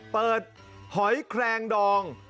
เปิดหอยแคลงดอง